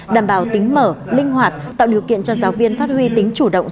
đảm bảo tính mở linh hoạt tạo điều kiện cho giáo viên phát huy tính chủ động